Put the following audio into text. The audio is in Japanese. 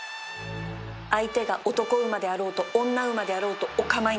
相手が男馬であろうと女馬であろうとお構いなし